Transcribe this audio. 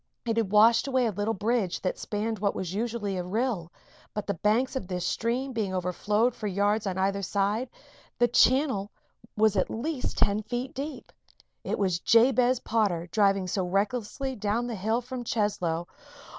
It had washed away a little bridge that spanned what was usually a rill, but the banks of this stream being overflowed for yards on either side, the channel was at least ten feet deep. It was Jabez Potter driving so recklessly down the hill from Cheslow.